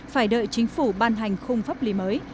phải đợi chính phủ ban hành khung pháp lý mới